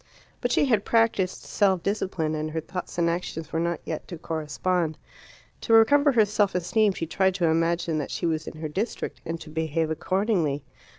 But she had practised self discipline, and her thoughts and actions were not yet to correspond. To recover her self esteem she tried to imagine that she was in her district, and to behave accordingly.